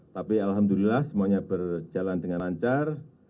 tapi alhamdulillah semuanya berjalan dengan lancar